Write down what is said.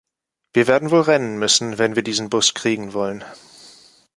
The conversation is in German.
Wir werden wohl rennen müssen, wenn wir diesen Bus kriegen wollen.